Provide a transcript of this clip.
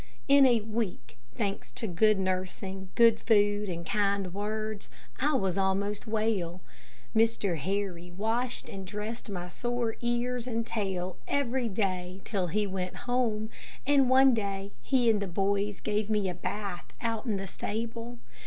In a week, thanks to good nursing, good food, and kind words, I was almost well. Mr. Harry washed and dressed my sore ears and tail every day till he went home, and one day, he and the boys gave me a bath out in the stable.